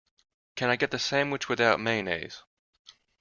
Can I get the sandwich without mayonnaise?